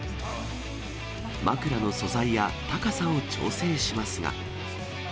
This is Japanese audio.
枕の素材や高さを調整しますが。